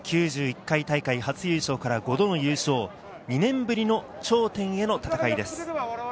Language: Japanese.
９１回大会初優勝から５度の優勝、２年ぶりの頂点への戦いです。